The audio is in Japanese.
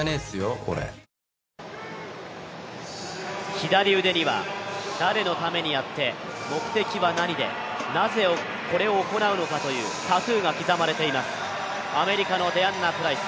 左腕には誰のためにやって、目的は何で、なぜこれを行うのかというタトゥーが刻まれています、アメリカのデアンナプライス。